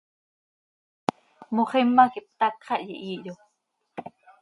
Moxima quih hpthác xah yihiihyo.